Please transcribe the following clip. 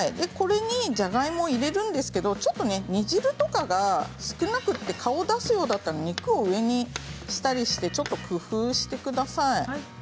これに、じゃがいもを入れるんですけれど煮汁とかが少なくて顔を出すようだったら肉を上にしたりしてちょっと工夫してください。